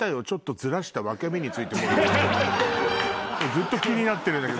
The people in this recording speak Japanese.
ずっと気になってるんだけど。